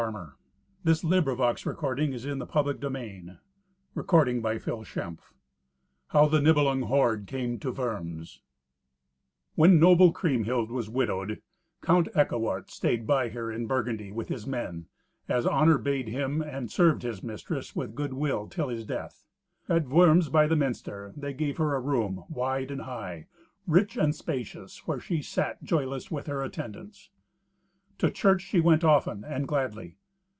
Also to her, afterward, Kriemhild caused bitter heart's dole. Nineteenth Adventure How the Nibelung Hoard Came to Worms When noble Kriemhild was widowed, Count Eckewart stayed by her in Burgundy with his men, as honour bade him, and served his mistress with goodwill till his death. At Worms, by the minster, they gave her a room, wide and high, rich and spacious, where she sat joyless with her attendants. To church she went often and gladly.